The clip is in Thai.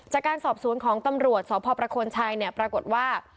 จากการสอบสวนของตำรวจสพชปรากฏว่า